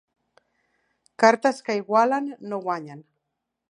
Cartes que igualen no guanyen.